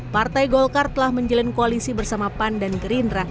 partai golkar telah menjelin koalisi bersama pan dan gerindra